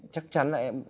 chắc chắn là em